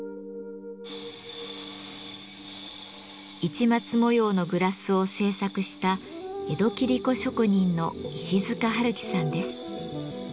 市松模様のグラスを制作した江戸切子職人の石塚春樹さんです。